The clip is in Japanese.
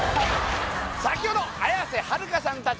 先ほど綾瀬はるかさん